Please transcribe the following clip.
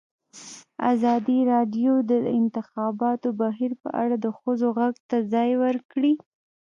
ازادي راډیو د د انتخاباتو بهیر په اړه د ښځو غږ ته ځای ورکړی.